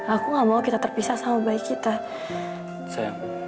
aku gak mau kita terpisah sama bayi kita